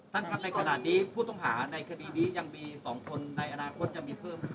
ท่านครับในขณะนี้ผู้ต้องหาในคดีนี้ยังมี๒คนในอนาคตจะมีเพิ่มอีกหรือไม่ครับ